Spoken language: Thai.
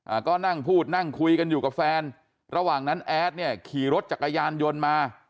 อ่าก็นั่งพูดนั่งคุยกันอยู่กับแฟนระหว่างนั้นแอดเนี่ยขี่รถจักรยานยนต์มา